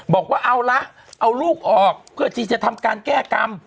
บอกว่าเอาละเอาลูกออกเพื่อที่จะทำการแก้กรรม